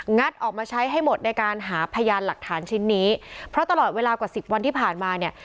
ออกมาใช้ให้หมดในการหาพยานหลักฐานชิ้นนี้เพราะตลอดเวลากว่าสิบวันที่ผ่านมาเนี่ย